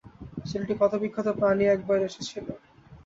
ছেলেটি ক্ষতবিক্ষত পা নিয়ে একবার এসেছিল।